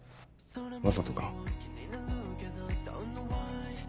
わざとか？